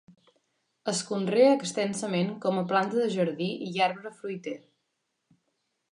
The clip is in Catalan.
Es conrea extensament com a planta de jardí i arbre fruiter.